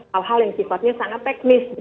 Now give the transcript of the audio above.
hal hal yang sifatnya sangat teknis